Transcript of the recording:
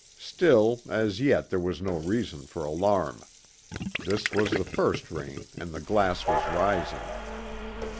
Still, as yet there was no reason for alarm. This was the first rain, and the glass was rising.